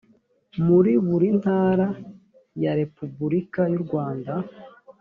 muri buri ntara ya repubulika y urwanda